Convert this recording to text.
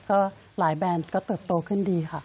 ก็หลายแบรนด์ก็เติบโตขึ้นดีค่ะ